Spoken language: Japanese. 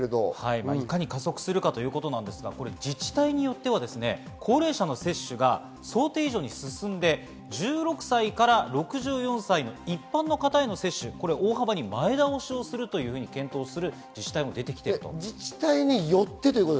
いかに加速するかということですが自治体によっては高齢者の接種が想定以上に進んで１６歳から６４歳の一般の方への接種を大幅に前倒しをするというふうに検討する自治体も出てきています。